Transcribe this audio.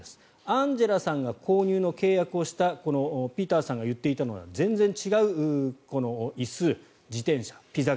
アンジェラさんが購入の契約をしたこのピーターさんが言っていたのと全然違う椅子、自転車、ピザ窯。